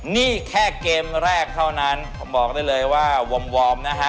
นี่แค่เกมแรกเท่านั้นผมบอกได้เลยว่าวอร์มนะฮะ